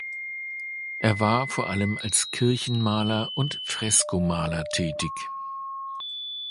Er war vor allem als Kirchenmaler und Fresko-Maler tätig.